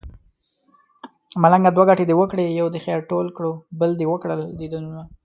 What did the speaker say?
ملنګه دوه ګټې دې وکړې يو دې خير ټول کړو بل دې وکړل ديدنونه